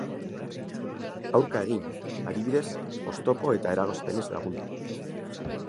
Aurka egin, ad. Oztopo eta eragozpenez lagundu.